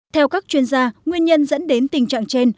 theo các chuyên gia nguyên nhân dẫn đến tình trạng trên